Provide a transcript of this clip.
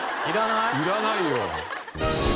いらないよ。